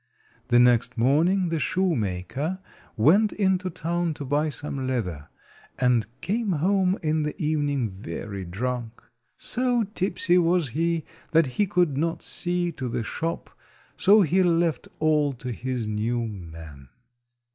The next morning the shoemaker went into town to buy some leather, and came home in the evening very drunk. So tipsy was he that he could not see to the shop, so he left all to his new man.